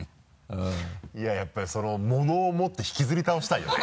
いややっぱり「もの」を持って引きずり倒したいよね。